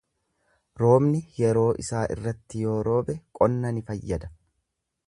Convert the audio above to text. Roobni yeroo isaa irratti yoo roobe qonna ni fayyada.